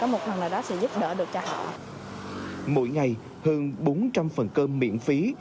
mỗi ngày hơn bốn trăm linh phần cơm miễn phí